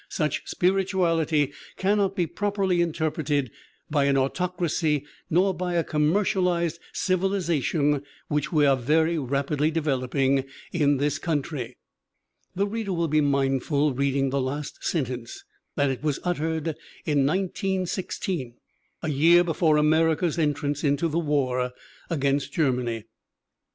Such spirituality cannot be properly interpreted by an autocracy nor by a commercialized civilization which we are very rapidly developing in this coun try." The reader will be mindful, reading the last sen tence, that it was uttered in 1916, a year before Amer ica's entrance into the war against Germany.